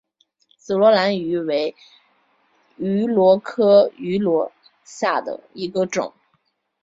紫萝兰芋螺为芋螺科芋螺属下的一个种。